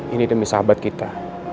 ini demi sahabat kita